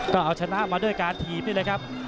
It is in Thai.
ก็เอาชนะมาด้วยการโถบผมนี้เลยครับ